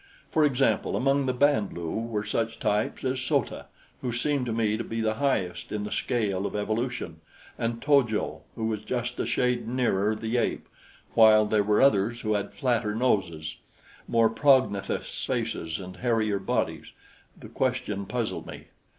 For example, among the Band lu were such types as So ta, who seemed to me to be the highest in the scale of evolution, and To jo, who was just a shade nearer the ape, while there were others who had flatter noses, more prognathous faces and hairier bodies. The question puzzled me.